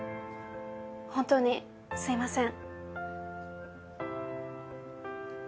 本当にすみません。